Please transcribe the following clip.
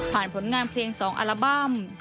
ผ่านผลงานเพลียงสองอัลบั้ม